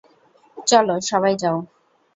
চলো সবাই যাও!